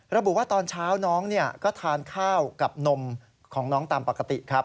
ระบุว่าตอนเช้าน้องก็ทานข้าวกับนมของน้องตามปกติครับ